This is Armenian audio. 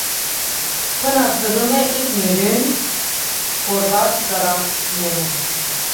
Բնադրում է ինքնուրույն փորված ծառաբներում։